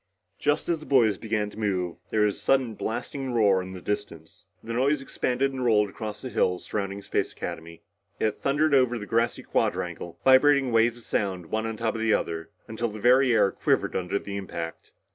Just as the boys began to move, there was a sudden blasting roar in the distance. The noise expanded and rolled across the hills surrounding Space Academy. It thundered over the grassy quadrangle, vibrating waves of sound one on top of the other, until the very air quivered under the impact.